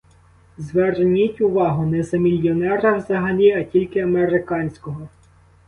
Зверніть увагу: не за мільйонера взагалі, а тільки американського.